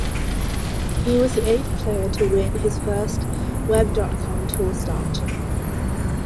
He was the eighth player to win his first Web dot com Tour start.